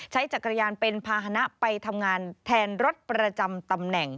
จักรยานเป็นภาษณะไปทำงานแทนรถประจำตำแหน่ง